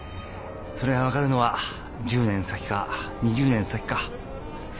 それが分かるのは１０年先か２０年先かそれとももっと。